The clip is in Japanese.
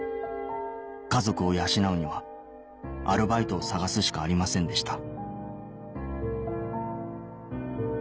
家族を養うにはアルバイトを探すしかありませんでした